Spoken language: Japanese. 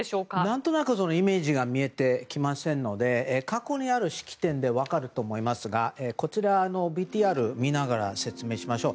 何となくイメージが見えてきませんので過去の式典で分かると思いますがＶＴＲを見ながら説明しましょう。